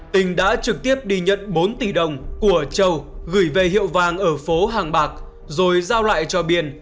tình đã trực tiếp đi nhận bốn tỷ đồng của châu gửi về hiệu vàng ở phố hàng bạc rồi giao lại cho biên